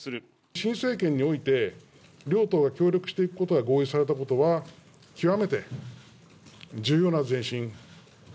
新政権において、両党が協力していくことが合意されたことは、極めて重要な前進。